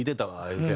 言うて。